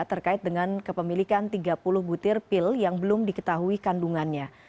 terkait dengan kepemilikan tiga puluh butir pil yang belum diketahui kandungannya